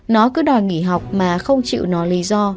nó cứ đòi nghỉ học mà không chịu nó lý do